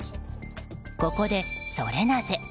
ここでソレなぜ？